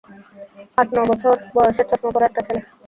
আট-ন বছর বয়সের চশমাপরা একটা ছেলে।